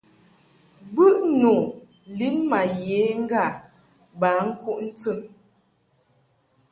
Bɨʼnu lin ma ye ŋga ba kuʼ ntɨn.